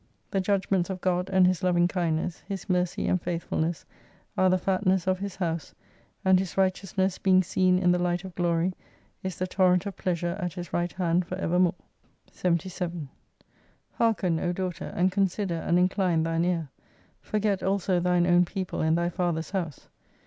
The judgments of God, and His loving kindness, His mercy and faithfulness, are the fatness of His house, and His righteousness being seen in the Light of Glory is the torrent of pleasure at His right hand for evermore. 77 Hearken, O Daughter, and consider and incline thine ear, forget also thine own people and thy fathcr^s house.